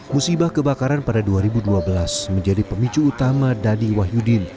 musibah kebakaran pada dua ribu dua belas menjadi pemicu utama dadi wahyudin